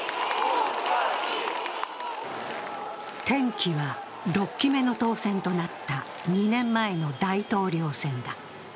転機は６期目の当選となった２年前の大統領選だ。